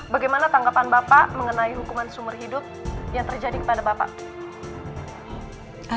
bagaimana tanggapan bapak mengenai hukuman seumur hidup yang terjadi kepada bapak